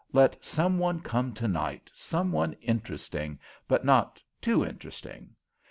Let some one come tonight, some one interesting, but not too interesting.